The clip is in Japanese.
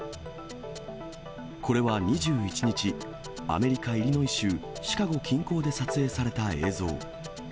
これは２１日、アメリカ・イリノイ州シカゴ近郊で撮影された映像。